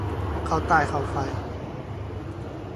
เข้าไต้เข้าไฟ